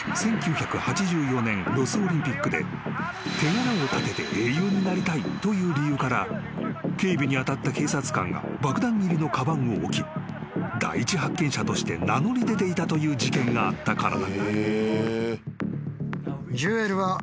［手柄を立てて英雄になりたいという理由から警備に当たった警察官が爆弾入りのかばんを置き第一発見者として名乗り出ていたという事件があったからだ］